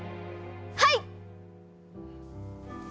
はい！